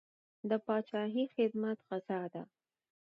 د پاچاهۍ خدمت غزا ده.